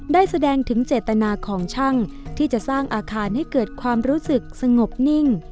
ได้แสดงถึงเจตนาของช่างที่จะสร้างอาคารให้เกิดความรู้สึกสงบนิ่ง